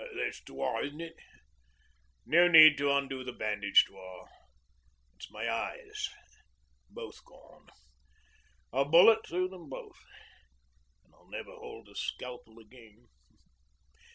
That's Dewar, isn't it? No need to undo the bandage, Dewar. It's my eyes both gone a bullet through them both. And I'll never hold a scalpel again.